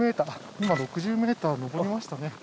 今６０ｍ上りましたね。